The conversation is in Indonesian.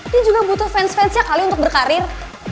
dia juga butuh fans fansnya kalian untuk berkarir